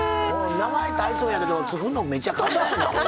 名前大層やけど作るのめっちゃ簡単やなこれ。